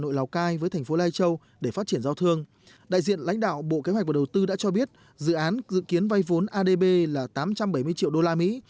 bộ kế hoạch và đầu tư đã cho biết dự án dự kiến vay vốn adb là tám trăm bảy mươi triệu đô la mỹ